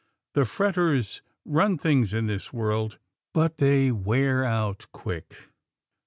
The fretters run things in this world, but they wear out quick."